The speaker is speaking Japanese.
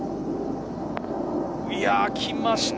来ました。